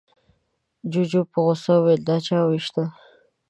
جوجو په غوسه وويل، دا چا ووېشته؟